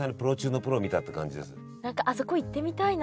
何かあそこ行ってみたいな。